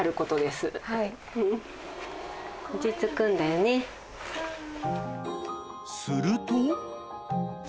［すると］